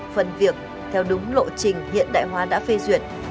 phần việc theo đúng lộ trình hiện đại hóa đã phê duyệt